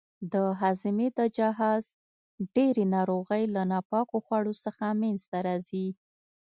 د هاضمې د جهاز ډېرې ناروغۍ له ناپاکو خوړو څخه منځته راځي.